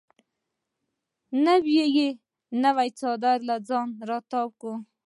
نور یې نو څادر له ځانه راتاو کړ.